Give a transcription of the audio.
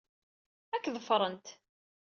Ad k-ḍefrent.